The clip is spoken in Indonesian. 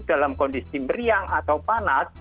dalam kondisi meriang atau panas